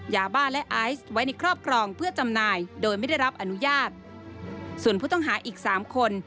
ยาบ้าและไอซ์ไว้ในครอบครองเพื่อจำหน่ายโดยไม่ได้รับอนุญาตส่วนผู้ต้องหาอีกสามคน